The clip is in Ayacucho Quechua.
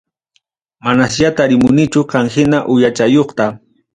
Manasya tarimunichu qam hina uyachayuqta.